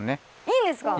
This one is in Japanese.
いいんですか？